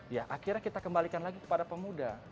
ya akhirnya kita kembalikan lagi kepada pemuda